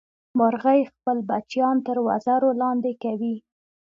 مورغۍ خپل بچیان تر وزر لاندې کوي